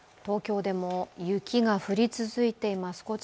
東京でも雪が降り続いています。